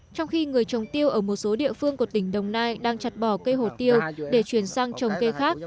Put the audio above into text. trong khi người trồng tiêu ở một số địa phương của tỉnh đồng nai đang chặt bỏ cây hổ tiêu để chuyển sang trồng cây khác